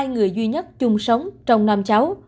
người duy nhất chung sống trong năm cháu